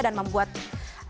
dan membuat si kakek